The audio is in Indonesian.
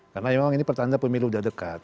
karena memang ini pertanda pemilu sudah dekat